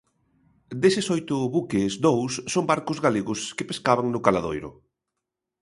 Deses oito buques, dous son barcos galegos que pescaban no caladoiro.